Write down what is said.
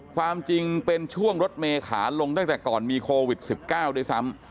ความจริงเป็นช่วงรถเมขาลงตั้งแต่ก่อนมีโควิด๑๙ด้วยซ้ำ